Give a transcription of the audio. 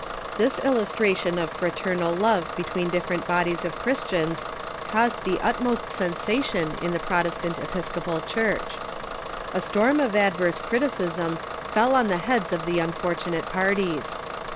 This illustration of fraternal love between different bodies of Chris tians caused the utmost sensation in the Protestant Episcopal Church. A storm of adverse criticism fell on the heads of the unfortunate parties.